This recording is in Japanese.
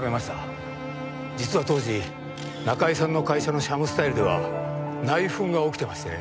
実は当時中井さんの会社のシャムスタイルでは内紛が起きてましてね。